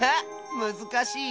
むずかしい？